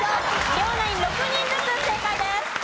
両ナイン６人ずつ正解です。